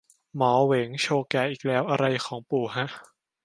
หมอเหวงโชว์แก่อีกแล้ว อะไรของปู่ฮะ